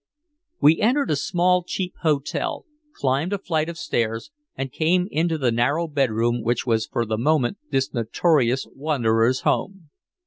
We entered a small, cheap hotel, climbed a flight of stairs and came into the narrow bedroom which was for the moment this notorious wanderer's home.